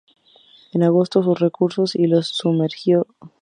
Esto agotó sus recursos y los sumergió en grandes deudas con la Familia Fugger.